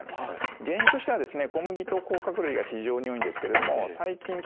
原因としてはですね